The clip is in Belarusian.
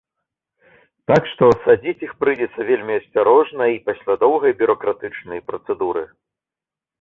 Так што, садзіць іх прыйдзецца вельмі асцярожна і пасля доўгай бюракратычнай працэдуры.